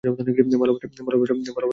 ভালোবাসা কেন চাইবো আমি?